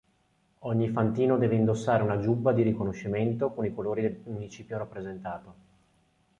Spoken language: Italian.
Ogni fantino deve indossare una giubba di riconoscimento con i colori del municipio rappresentato.